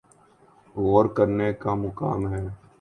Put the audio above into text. غور کرنے کا مقام ہے۔